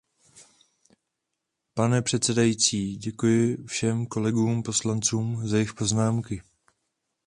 Pane předsedající, děkuji všem kolegům poslancům za jejich poznámky.